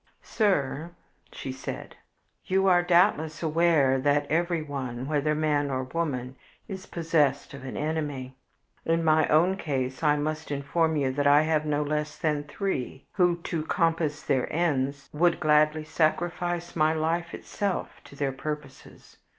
"Sir," said she, "you are doubtless aware that everyone, whether man or woman, is possessed of an enemy. In my own case I must inform you that I have no less than three who, to compass their ends, would gladly sacrifice my life itself to their purposes.